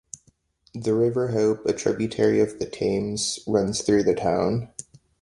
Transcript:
The River Hope, a tributary of the Thames runs through the town.